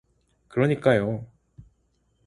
그러니까요!